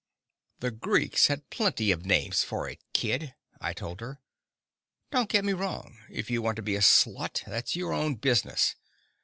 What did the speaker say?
"The Greeks had plenty of names for it, kid," I told her. "Don't get me wrong. If you want to be a slut, that's your own business.